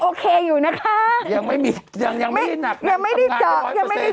โอเคอยู่นะคะยังไม่มียังยังไม่ได้หนักเลยยังไม่ได้เจาะยังไม่ได้